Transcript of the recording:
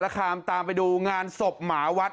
คามตามไปดูงานศพหมาวัด